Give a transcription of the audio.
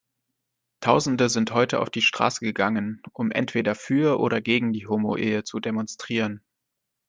Tausende sind heute auf die Straße gegangen, um entweder für oder gegen die Homoehe zu demonstrieren.